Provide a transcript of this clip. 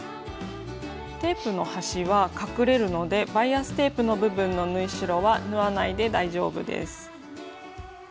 テープの端は隠れるのでバイアステープの部分の縫い代は縫わないで大丈夫です。